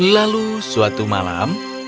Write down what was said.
lalu suatu malam